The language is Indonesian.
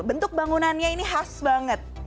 bentuk bangunannya ini khas banget